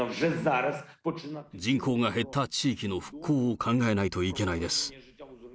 人口が減った地域の復興を考えないといけないです。